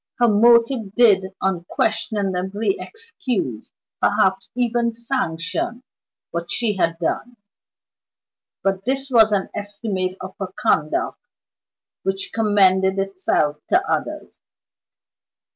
Her motive did unquestionably excuse, perhaps even sanction, what she had done; but this was an estimate of her conduct which commended itself to others.